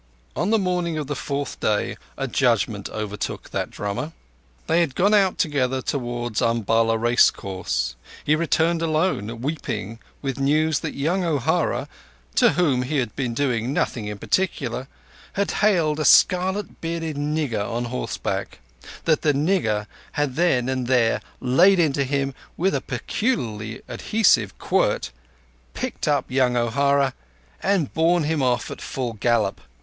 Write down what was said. On the morning of the fourth day a judgement overtook that drummer. They had gone out together towards Umballa racecourse. He returned alone, weeping, with news that young O'Hara, to whom he had been doing nothing in particular, had hailed a scarlet bearded nigger on horseback; that the nigger had then and there laid into him with a peculiarly adhesive quirt, picked up young O'Hara, and borne him off at full gallop.